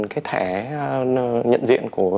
cái thẻ nhận diện của